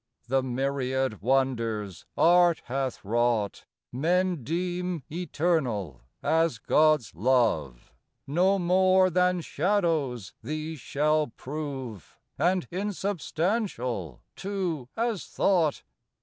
The myriad wonders art hath wrought Men deem eternal as God's love: No more than shadows these shall prove, And insubstantial, too, as thought.